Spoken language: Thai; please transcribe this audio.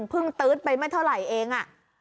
ตื๊ดไปไม่เท่าไหร่เอง